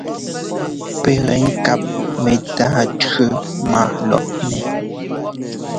Pɛ́ gɛ ŋkáp mɛ́táa tʉ́ má lɔʼnɛ.